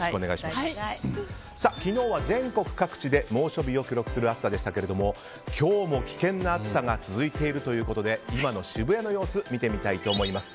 昨日は全国各地で猛暑日を記録する暑さでしたけれども今日も危険な暑さが続いているということで今の渋谷の様子を見てみたいと思います。